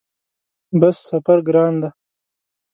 بس سفر ګران دی؟